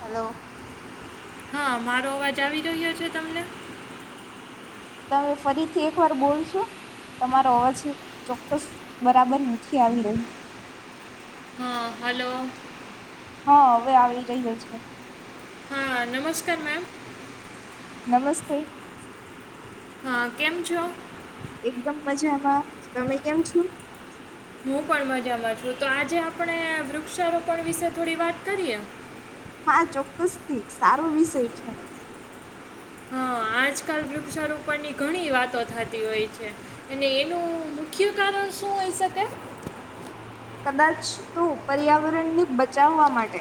Hello. હા મારો અવાજ આવી રહ્યો છે તમને. તમે ફરીથી એક વાર બોલશો તમારો અવાજ ચોક્કસ બરાબર નથી આવી રહી. હા હલો. હા હવે આવી રહ્યો છે. હા નમસ્કાર મેમ. નમસ્તે. હા કેમ છો. એકદમ મજામાં તમે કેમ છો. હું પણ મજામાં છું તો આજે આપણે વૃક્ષારોપણ વિશે થોડી વાત કરીએ. હા ચોક્કસ થી સારો વિષય છે. હા આજકાલ વૃક્ષારોપણની ઘણી વાતો થતી હોય છે અને એનું મુખ્ય કારણ શું હોય શકે. કદાચ તો પર્યાવરણને બચાવવા માટે.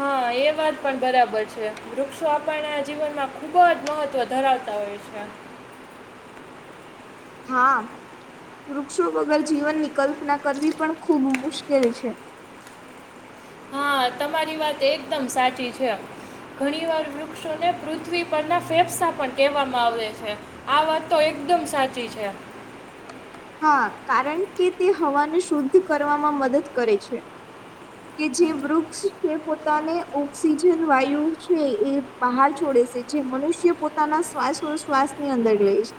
હા એ વાત પણ બરાબર છે વૃક્ષો આપણને જીવનમાં ખુબ જ મહત્વ ધરાવતા હોય છે. હા વૃક્ષો વગર જીવનની કલ્પના કરવી પણ ખૂબ મુશ્કેલ છે. હા તમારી વાત એકદમ સાચી છે ઘણી વાર વૃક્ષોને પૃથ્વી પરના ફેફસા પણ કહેવામાં આવે છે આ વાત તો એકદમ સાચી છે. હા કારણ કે તે હવાને શુદ્ધ કરવામાં મદદ કરે છે કે જે વૃક્ષ છે પોતાને ઓક્સિજન વાયુ છે એ બહાર છોડે છે જે મનુષ્ય પોતાના શ્વાસ શ્વાસ ની અંદર લે છે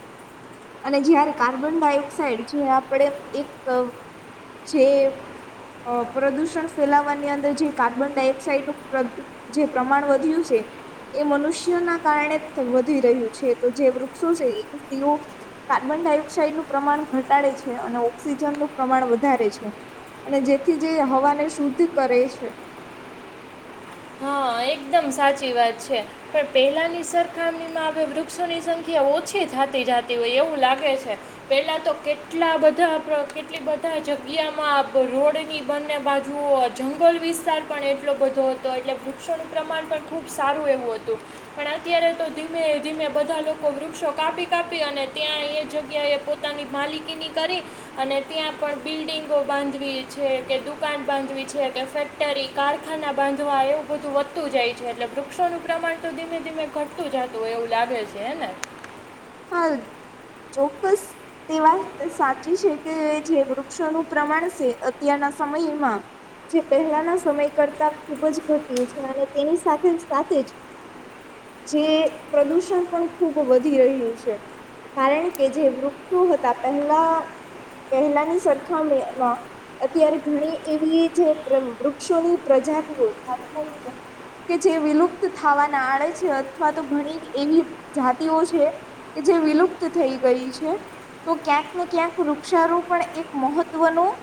અને જ્યારે કાર્બન ડાય સાઇડ જે આપણે એક જે આ પ્રદુષણ ફેલાવવાની અંદર જે કાર્બન ડાયોક્સાઇડનું પ્રદૂ જે પ્રમાણ વધ્યું છે એ મનુષ્યના કારણે વધી રહ્યું છે તો જે વૃક્ષો છે એ સ્ત્રીઓ કાર્બન ડાયોક્સાઇડનું પ્રમાણ ઘટાડે છે અને ઓક્સિજનનું પ્રમાણ વધારે છે અને જેથી જે હવાને શુદ્ધ કરે છે. હા એકદમ સાચી વાત છે પણ પહેલાંની સરખામણીમાં હવે વૃક્ષોની સંખ્યા ઓછી થાતી જાતી હોય એવું લાગે છે. પહેલા તો કે કેટલા બધા પ્ર કેટલી બધા જગ્યામાં આ રોડની બંને બાજુ ઓ જંગલ વિસ્તાર પણ એટલો બધો હતો એટલે ભૂક્ષણ પ્રમાણ પણ ખૂબ સારું એવું હતું પણ અત્યારે તો ધીમે ધીમે બધા લોકો વૃક્ષો કાપી કાપી અને ત્યાં એ જગ્યાએ પોતાની માલિકીની કરી અને ત્યાં પણ બિલ્ડિંગો બાંધવી છે કે દુકાન બાંધવી છે કે ફેક્ટરી કારખાના બાંધવા એવું બધું વ ઘતું જાય છે એટલે વૃક્ષોનું પ્રમાણ તો ધીમે ધીમે ઘટતું જતું હોય એવું લાગે છે હેને. હાલ ચોક્કસ. તે વાત ત સાચી છે. કે જે વૃક્ષોનું પ્રમાણ છે અત્યારના સમયમાં જે પહેલાના સમય કરતા ખૂબ જ ઘટ્યું છે અને તેની સાથે સાથે જ જે પ્રદુષણ પણ ખૂબ વધી રહ્યું છે. છે કારણ કે જે વૃક્ષો હતા પહેલા પહેલાની સરખાામણીમાં અત્યારે ઘણી એવી જે વૃક્ષોની પ્રજાતિઓ [unintelligible] કે જે વિલુપ્ત થાવાના આડે છે અથવા તો ઘણી એવી જાતિઓ છે. કે જે વિલુપ્ત થઈ ગઈ છે તો ક્યાંક ને ક્યાંક વૃક્ષારોપણ એક મહત્વનું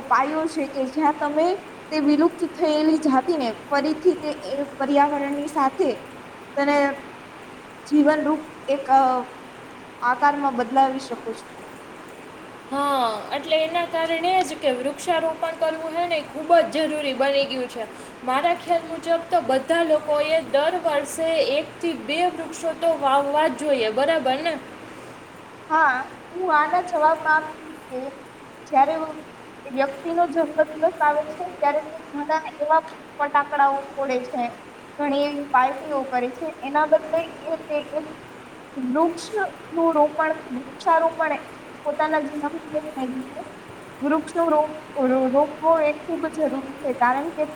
ઉપાયો છે કે જ્યાં તમે તે વિલુપ્ત થયેલી જાતિને ફરીથી તે પર્યાવરણની સાથે તેને જીવનરૂપ એક આ. આકારમાં બદલાવી શકો છો. હા એટલે એના કારણે જ કે વૃક્ષારોપણ કરવું હે ને ખુબ જ જરૂરી બની ગયું છે મારા ખ્યાલ મુજબ તો બધા લોકો એ દર વર્ષે એક થી બે વૃક્ષો તો વાવવા જ જોઈએ બરાબર ને. હા હું આના જવાબમાં આપ કે જયારે વ્યક્તિ નો જન્મ દિવસ આવે છે ત્યારે તે ઘણા એવા ફટાકડાઓ ફોડે છે ઘણી એવી પાર્ટીઓ કરે છે એના બદલે એ તે એક વૃક્ષ નું રોપ પણ વૃક્ષારોપણ પોતાના જન્મ દિવસ છે વૃક્ષો રોપ રોપવો એ ખુબ જરૂરી છે કારણ કે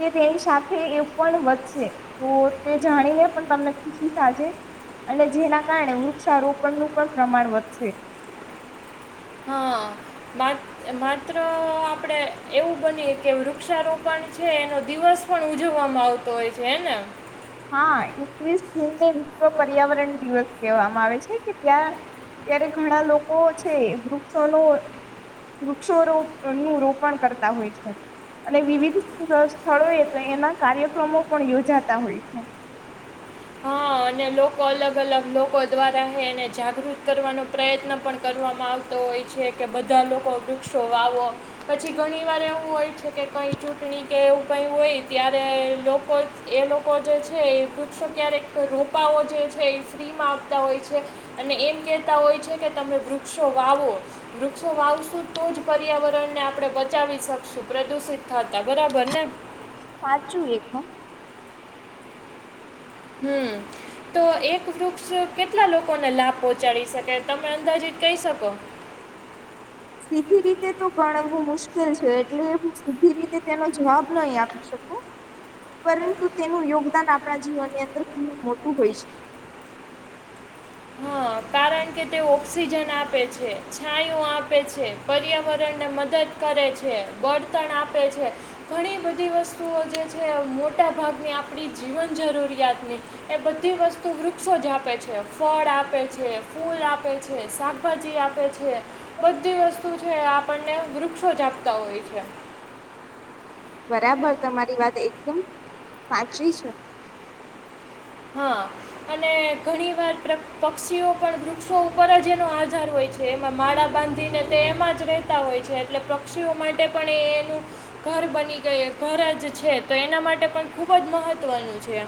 તે તેની સાથે એ પણ વધશે તો તે જાણીને પણ તમને ખુશી થાજે અને જેના કારણે વૃક્ષારોપ પણ નું પણ પ્રમાણ વધશે. હા માત- માત્ર આપડે એવું બનીએ કે વૃક્ષારોપણ છે એનો દિવસ પણ ઉજવવામાં આવતો હોય છે હેને. હા એકવીસ જૂનને વિશ્વ પર્યાવરણ દિવસ કહેવામાં આવે છે કે ત્યાં ત્યારે ઘણા લોકો છે વૃક્ષોનું વૃક્ષો નું રોપણ કરતા હોય છે અને વિવિધ સ્થળોએ તો એના કાર્યક્રમો પણ યોજાતા હોય. હું હા અને લોકો અલગ અલગ લોકો દ્વારા હેને જાગૃત કરવાનો પ્રયત્ન પણ કરવામાં આવતો હોય છે કે બધા લોકો વૃક્ષો વાવો પછી ઘણીવાર એવું હોય છે કે કંઈ ચૂંટણી કે એવું કય હોય ત્યારે લોકો એ લોકો જે છે એ વૃક્ષો ક્યારેક રૂ પાઓ જે છે એ ફ્રીમાં આપતા હોય છે અને એમ કેહેતા હોય છે કે તમે વૃક્ષો વાવો વૃક્ષો વાવશો તો જ પર્યાવરણ ને આપડે બચાવી શકશું પ્રદુષિત થતા બરાબર ને. સાચું એક હ હમ તો એક વૃક્ષ કેટલા લોકોને લાભ પહોંચાડી શકે તમે અંદાજીત કહી શકો? સીધી રીતે તો ગણવું મુશ્કેલ છે. [inaudible] સીધી રીતે તેનો જવાબ નઈ આપી શકું પરંતુ તેનું યોગદાન આપડા જીવનની અંદર ખુબજ હોય શું કોય છે. હા કારણ કે તે ઓક્સિજન આપે છે છાયું આપે છે પર્યાવરણને મદદ કરે છે બળતણ આપે છે ઘણી બધી વસ્તુઓ જે છે મોટા ભાગની આપડી જીવન જરૂરિયાતની એ બધી વસ્તુ વૃક્ષો જ આપે છે. ફળ આપે છે ફૂલ આપે છે શાકભાજી આપે છે બધી વસ્તુ છે એ આપણને વૃક્ષો જ આપતા હોય છે. બરાબર તમારી વાત એકદમ સાચી છે. હા અને ઘણી વાર પ્રક પક્ષીઓ પણ વૃક્ષો ઉપર જ એનો આધાર હોય છે એમાં માળા બાંધીને તે એમાં જ રહેતા હોય છે એટલે પક્ષીઓ માટે પણ એ એનું ઘર બની ગય ઘર જ છે તો એના માટે પણ ખૂબ જ મહત્વનું છે.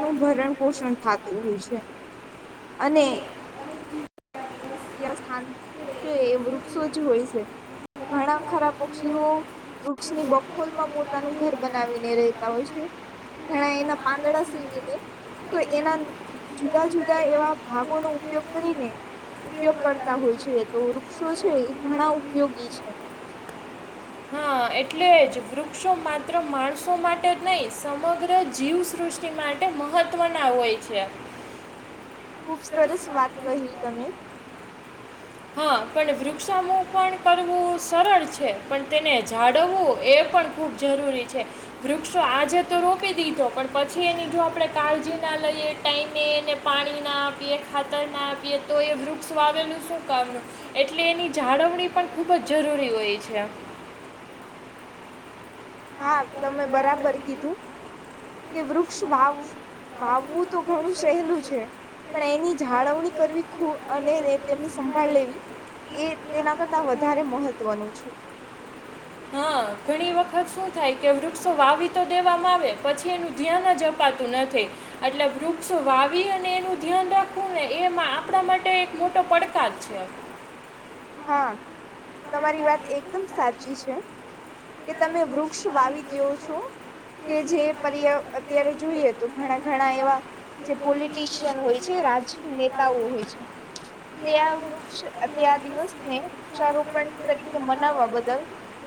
નું ભરણ પોષણ થતું હોય છે અને વ્યવસ્થાન કે વૃક્ષો જ હોય છે ઘણા ખરા પક્ષીઓ વૃક્ષની બફોલમાં પોતાનું ઘર બનાવીને રહેેતા હોય છે ઘણા એના પાંદડા સીવીને તો એના જુદા જુદા એવા ભાગોનો ઉપયોગ કરીને ઉપયોગ કરતા હોય છે તો વૃક્ષો છે એ ઘણા ઉપયોગી છે. હ એટલે જ વૃક્ષો માત્ર માણસો માટે જ નહીં સમગ્ર જીવસૃષ્ટિ માટે મહત્વના હોય છે. ખુબ સરસ વાત કહી તમે હા પણ વૃક્ષમાં પણ કરવું સરળ છે પણ તેને જાળવવું એ પણ ખૂબ જરૂરી છે વૃક્ષો આજે તો રોપી દીધો પણ પછી એની જો આપણે કાળજી ના લઈએ ટાઈમે એને પાણી ના આપીએ ખાતર ના આપીએ તો એ વૃક્ષ આવેલું શું કામનું એટલે એની જાળવણી પણ ખૂબ જ જરૂરી હોય છે. હા તમે બરાબર કીધું કે વૃક્ષ ભાવ ભાવવું તો ઘણું સહેલું છે પણ એની જાળવણી કરવી ખૂબ અને તેમને સંભાળ લેવી એ તેના કરતા વધારે મહત્વનું છે.. હા ઘણી વખત શું થાય કે વૃક્ષો વાવી તો દેવામાં આવે પછી એનું ધ્યાન જ અપાતું નથી એટલે વૃક્ષ વાવી અને એનું ધ્યાન રાખવું ને એમાં આપણા માટે એક મોટો પડકાર છે. હા. તમારી વાત એકદમ સાચી છે. કે તમે વૃક્ષ વાવી ગયો છો કે જે પર્યા અત્યારે જોઈએ તો ઘણા ઘણા એવા જે પોલિટીશિયન હોય છે રાજકી નેતાઓ હોય છે તે આ વૃક્ષ ત આ દિવસ.. ને વૃક્ષારોપણ તરીકે મનાવવા બદલ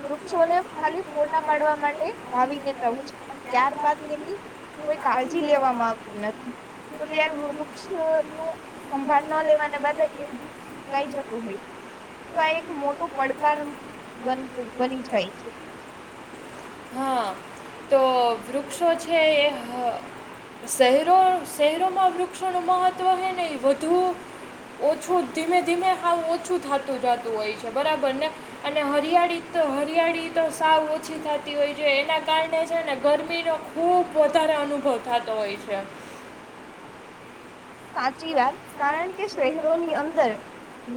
રૂ પક્ષોને ખાલી ફોટા પાડવા માટે વાાવી દેતા હોય છે પણ ત્યારબાદ તેની કોઈ કાળજી લેવામાં આવતી નથી. તો ત્યાં વૃક્ષ અ તો સંભાળ ન લેવાને બદલે એ કઈ જતું હોય.. તો આ એક મોટું. પડકાર બ બની જાય. [inaudible] હા તો વૃક્ષો છે એ હ શહેરો શહેરોમાં વૃક્ષોનું મહત્ત્વ હે ને એ વધુ ઓછું ધીમે ધીમે સાવ ઓછું થતું જતું હોય છે બરાબર ને અને હરિયાળી તો હરિયાળી તો સાવ ઓછી થતી. હો એના કારણે છે ને ગરમીનો ખૂબ વધારે અનુભવ થતો હોય છે. સાચી વાત કારણ કે શહેરોની અંદર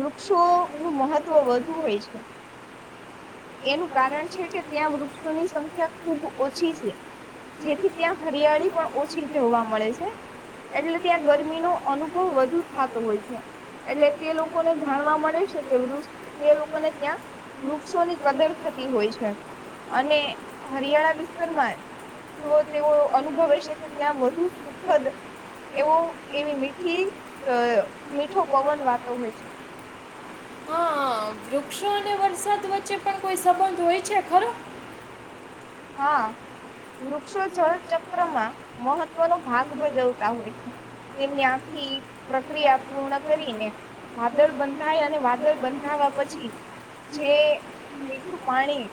વૃક્ષોનું મહત્વ વધુ હોય છે એનું કારણ છે કે ત્યાં વૃક્ષોની સંખ્યા ખૂબ ઓછી છે. જેથી ત્યાં હરિયાળી પણ ઓછી જોવા મળે છે. એટલે ત્યાં ગરમી.. અનુભવ વધુ થતો હોય છે એટલે તે લોકોને જાણવા મળે છે કે વૃક્ષ તે લોકોને ત્યાં વૃક્ષોની કદર થતી હોય છે અને હરિયાળા વિસ્તારમાં તેઓ અનુભવ હશે કે ત્યાં વધુ સુખદ એવો એવી મીઠી અ મીઠો પવન વાતો હોય છે. હા વૃક્ષો અને વરસાદ વચ્ચે પણ કોઈ સંબંધ હોય છે ખરો.. હા વૃક્ષો છ ચક્રમાં મહત્વનો ભાગ ભજવતા હોય છે.. તેમની આખી પ્રક્રિયા પૂર્ણ કરીને વાદળ બંધાય અને વાદળ બંધાવા પછી જે મીઠું પાણી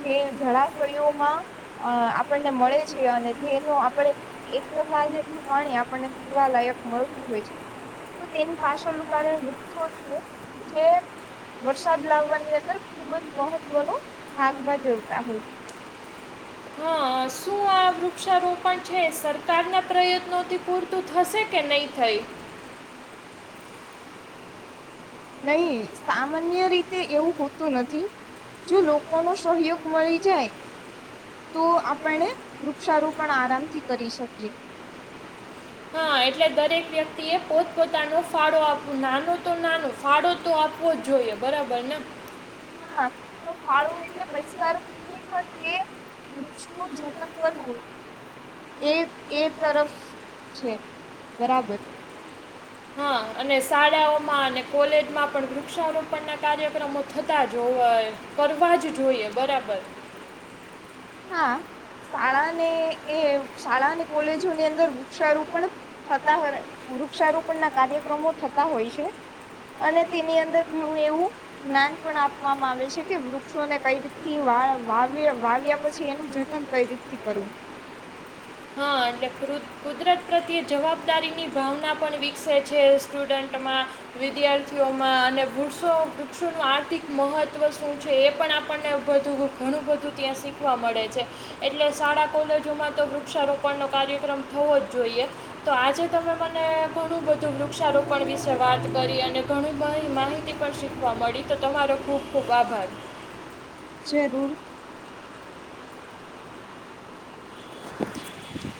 જે જળાશય.. આપણને મળે છે અને જેનું આપણે એક ટકા જેટલું પાણી આપણને પીવાલાયક મળતું હોય છે તો તેની પાછળનું કારણ વૃક્ષો છે જે વરસાદ લાવવાની અંદર ખુબ જ મહત્વનો ભાગ ભજવતા હોય છે. હા શું આ વૃક્ષારોપણ છે સરકારના પ્રયત્નોથી પૂરતું થશે કે નહીં થઈ.. નહી સામાન્ય રીતે એવું હોતું નથી જો લોકોનો સહયોગ મળી જાય તો આપણે વૃક્ષારોપણ પણ આરામથી કરી શકીએ. હા એટલે દરેક વ્યક્તિ એ પોતપોતાનો ફાળો આપવો નાનો તો નાનો ફાળો તો આપવો જ જોઈએ બરાબર ને.. હા તો ફાળો એટલે પૈસા પણ એ વૃક્ષ જતન કરવું એ એ તરફ છે બરાબર.. હા અને શાળાઓમાં અને કોલેજમાં પણ વૃક્ષારોપણ ના કાર્યક્રમો થતા જ હોય કરવા જ જોઈએ બરાબર.. હા શાળાને એ શાળા અને કોલેજોની અંદર વૃક્ષારોપણ થતા હો વૃક્ષારોપણ ના કાર્યક્રમો થતા હોય છે અને તેની અંદર ઘણું એવું જ્ઞાન પણ આપવામાં આવે છે કે વૃક્ષોને કઈ રીતથી વાવ વાવ્યા પછી એનું જતન કઈ રીતથી કરવું. હા એટલે કુદરત પ્રત્યે જવાબદારીની ભાવના પણ વિકસે છે સ્ટુડન્ટમાં વિદ્યાર્થીઓમાં અને વો વૃક્ષોનું આર્થિક મહત્વ શું છે એ પણ આપણને ઘણું બધું ત્યાં શીખવા મળે છે એટલે શાળા કોલેજોમાં તો વૃક્ષારોપણનો કાર્યક્રમ થવો જ જોઈએ તો આજે તમે મને ઘણું બધું વૃક્ષારોપણ વિશે વાત કરી અને ઘણી બધી માહિતી પણ શીખવા મળી તો તમારો ખૂબ ખૂબ આભાર. જરૂર. [inaudible]